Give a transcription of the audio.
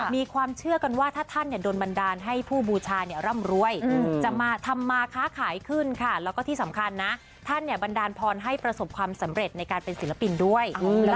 มีความเชื่อกันว่าถ้าท่านโดนบันดาลให้ผู้บูชาร่ำรวย